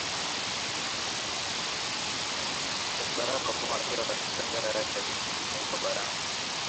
s barack obama akiwa katika ziara yake ya siku kumi huko barani